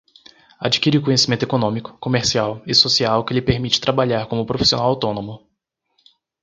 Adquire o conhecimento econômico, comercial e social que lhe permite trabalhar como profissional autônomo.